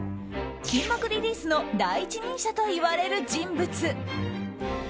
筋膜リリースの第一人者といわれる人物。